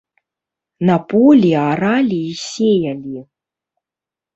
На полі аралі і сеялі.